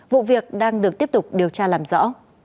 vụ việc đang được tiếp tục điều tra làm rõ